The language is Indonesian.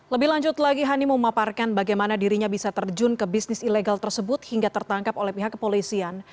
lebih lanjut lagi hani memaparkan bagaimana dirinya bisa terjun ke bisnis ilegal tersebut hingga tertangkap oleh pihak kepolisian